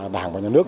đảng và nhà nước